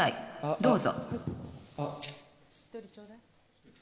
どうぞ。